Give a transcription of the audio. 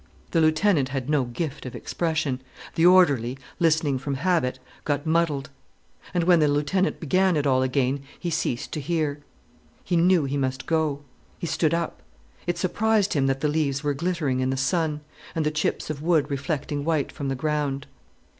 The lieutenant had no gift of expression. The orderly, listening from habit, got muddled. And when the lieutenant began it all again he ceased to hear. He knew he must go. He stood up. It surprised him that the leaves were glittering in the sun, and the chips of wood reflecting white from the ground.